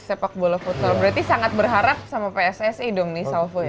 sepak bola futsal berarti sangat berharap sama pssi dong nih salvo ya